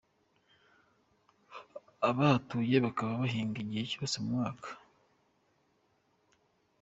Abahatuye bakaba bahinga igihe cyose mu mwaka.